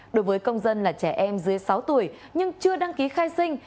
đối với công dân là trẻ em dưới sáu tuổi nhưng chưa đăng ký khai sinh